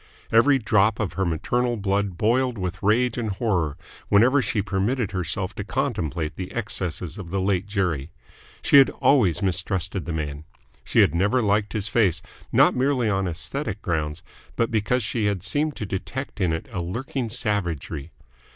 Every drop of her maternal blood boiled with rage and horror whenever she permitted herself to contemplate the excesses of the late Jerry. She had always mistrusted the man. She had never liked his face not merely on aesthetic grounds but because she had seemed to detect in it a lurking savagery.